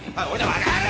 バカ野郎！